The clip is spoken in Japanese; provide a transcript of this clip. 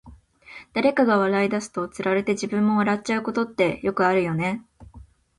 誰かが笑い出すと、つられて自分も笑っちゃうことってよくあるよね。